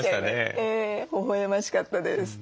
ええほほえましかったです。